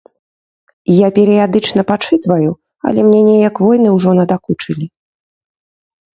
Я перыядычна пачытваю, але мне неяк войны ўжо надакучылі.